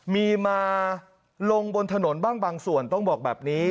มีมาลงบนถนนบ้างบางส่วนต้องบอกแบบนี้